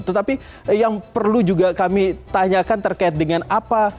tetapi yang perlu juga kami tanyakan terkait dengan apa